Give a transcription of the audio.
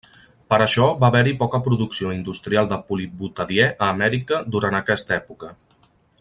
Per això va haver-hi poca producció industrial de polibutadiè a Amèrica durant aquesta època.